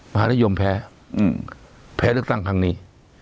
มหานโยมแพ้แพ้แล้วตั้งทางนี้